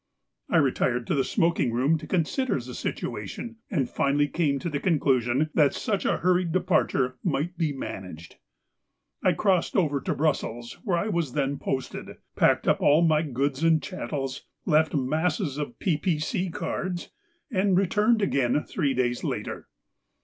I retired to the smoking room to consider the situation, and finally came to the conclusion that such a hurried departure might be managed. I crossed over to Brussels, where I was then posted, packed up all my goods and chattels, left masses of P.P.C. cards, and returned again three days later.